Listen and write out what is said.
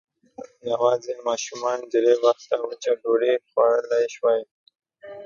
يواځې ماشومانو درې وخته وچه ډوډۍ خوړلی شوای.